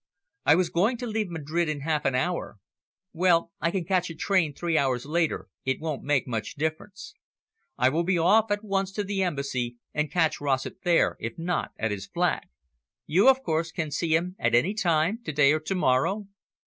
"I was going to leave Madrid in half an hour. Well, I can catch a train three hours later, it won't make much difference. I will be off at once to the Embassy, and catch Rossett there, if not, at his flat. You, of course, can see him at any time, to day or to morrow?"